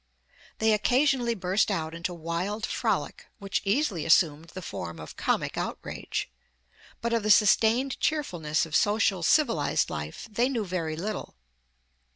They occasionally burst out into wild frolic, which easily assumed the form of comic outrage, but of the sustained cheerfulness of social civilized life they knew very little.